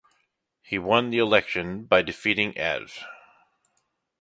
He won the election by defeating Adv.